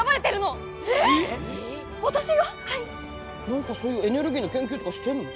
何かそういうエネルギーの研究とかしてるの？